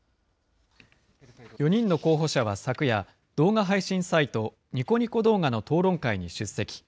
４人の候補者は昨夜、動画配信サイト、ニコニコ動画の討論会に出席。